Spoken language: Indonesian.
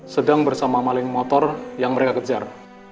sedang bersama maling motor yang mereka kejar